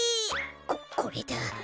ここれだ。